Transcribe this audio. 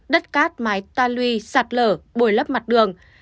đất cát mái ta lui sạt lở bồi lấp mặt đường